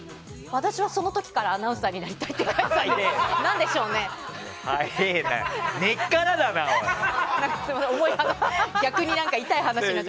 私はその時からアナウンサーになりたいって書いてたので。